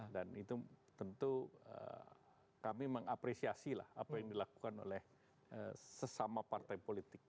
dan itu tentu kami mengapresiasi lah apa yang dilakukan oleh sesama partai politik